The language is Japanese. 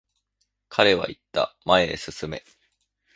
彼は言った、前へ進め。